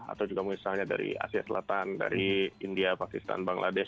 atau juga misalnya dari asia selatan dari india pakistan bangladesh